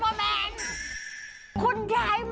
ย่ายดาวข้าวอีย้าง